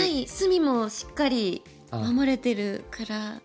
隅もしっかり守れてるから。